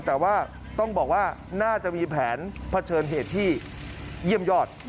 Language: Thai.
แต่ว่าต้องบอกว่าน่าจะมีแผนเผชิญเหตุที่เยี่ยมยอด